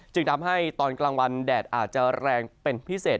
จึงทำให้ตอนกลางวันแดดอาจจะแรงเป็นพิเศษ